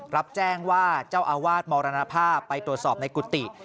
รับแจ้งว่าเจ้าอาวาสมรณภาพไปตรวจสอบในกุฏิ